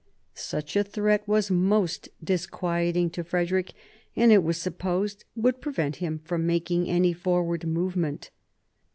Such a threat was most disquieting to Frederick, and, it was supposed, would prevent him from making any forward movement.